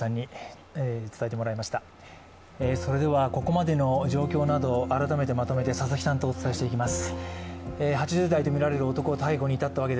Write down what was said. それではここまでの状況などを改めてまとめて佐々木さんとお伝えしていきます。